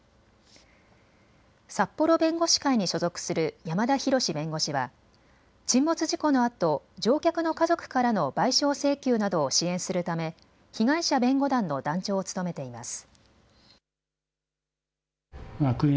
札幌弁護士会に所属する山田廣弁護士は沈没事故のあと乗客の家族からの賠償請求などを支援するため被害者弁護団の団長を務めています。